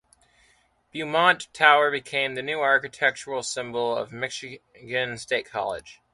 Beaumont Tower became the new architectural symbol of Michigan State College.